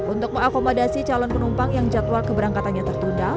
untuk mengakomodasi calon penumpang yang jadwal keberangkatannya tertunda